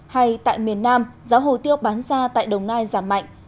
hay tại miền nam giá hồ tiêu bán ra tại đồng nai giảm mạnh